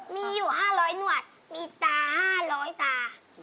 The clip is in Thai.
มีอยู่๕๐๐หนวดมีตา๕๐๐ตา